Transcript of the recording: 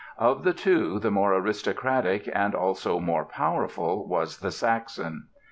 Of the two the more aristocratic, and also most powerful was the Saxon."